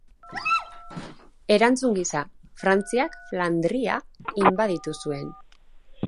Erantzun gisa, Frantziak Flandria inbaditu zuen.